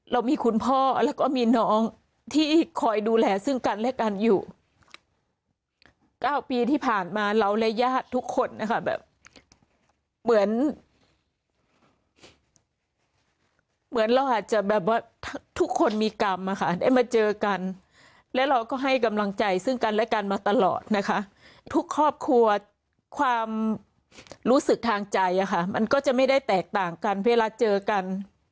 เรามีคุณพ่อแล้วก็มีน้องที่คอยดูแลซึ่งกันและกันอยู่๙ปีที่ผ่านมาเราและญาติทุกคนนะคะแบบเหมือนเราอาจจะแบบว่าทุกคนมีกรรมอะค่ะได้มาเจอกันและเราก็ให้กำลังใจซึ่งกันและกันมาตลอดนะคะทุกครอบครัวความรู้สึกทางใจอะค่ะมันก็จะไม่ได้แตกต่างกันเวลาเจอกัน